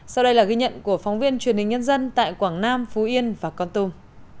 sau đây là ghi nhận của phóng viên truyền hình nhân dân tại quảng nam phú yên và con tum